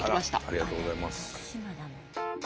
ありがとうございます。